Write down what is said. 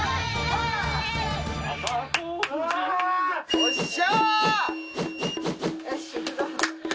よっしゃ！